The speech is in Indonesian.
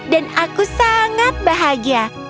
dan aku sangat bahagia